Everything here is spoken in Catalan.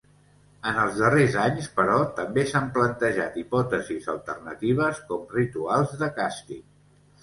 En els darrers anys, però, també s'han plantejat hipòtesis alternatives com rituals de càstig.